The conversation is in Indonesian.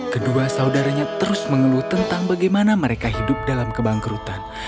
kedua saudaranya terus mengeluh tentang bagaimana mereka hidup dalam kebangkrutan